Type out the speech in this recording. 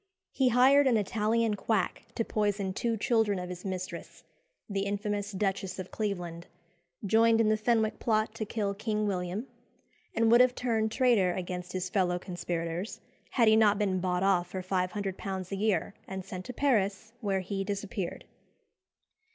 He hired an Italian quack to poison two children of his mistress, the infamous Duchess of Cleveland, joined in the Fenwick plot to kill King William, and would have turned traitor against his fellow conspirators had he not been bought off for £500 a year, and sent to Paris, where he disappeared.